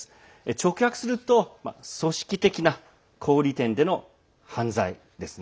直訳すると「組織的な小売店での犯罪」です。